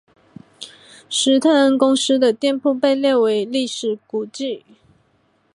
斯特恩公司的店铺被列为历史古迹。